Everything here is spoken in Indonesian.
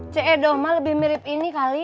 ce doma lebih mirip ini kali